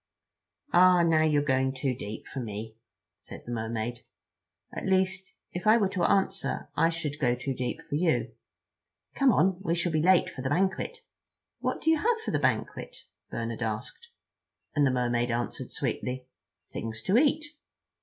"Ah, now you're going too deep for me," said the Mermaid, "at least if I were to answer I should go too deep for you. Come on—we shall be too late for the banquet." "What do you have for the banquet?" Bernard asked; and the Mermaid answered sweetly: "Things to eat."